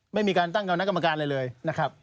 ไม่มีการตั้งคณะกรรมการอะไรเลยนะครับ